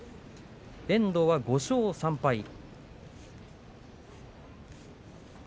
遠藤は５勝３敗。